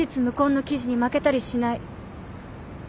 無根の記事に負けたりしない。